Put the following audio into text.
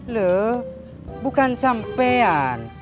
lo bukan sampean